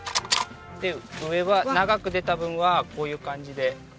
上は長く出た分はこういう感じで切って。